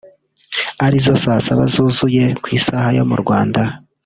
ari zo Saa Saba zuzuye ku isaha yo mu Rwanda